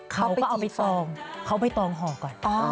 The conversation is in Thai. เขาก็ไปตองหอก่อน